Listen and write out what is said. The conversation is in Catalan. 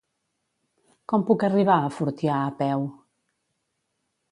Com puc arribar a Fortià a peu?